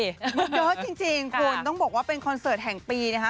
เยอะจริงคุณต้องบอกว่าเป็นคอนเสิร์ตแห่งปีนะคะ